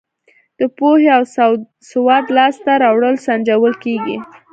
د پوهې او سواد لاس ته راوړل سنجول کیږي.